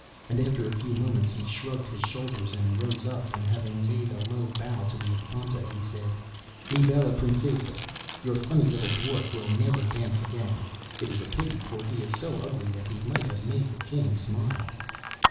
And after a few moments he shrugged his shoulders, and rose up, and having made a low bow to the Infanta, he said— 'Mi bella Princesa, your funny little dwarf will never dance again. It is a pity, for he is so ugly that he might have made the King smile.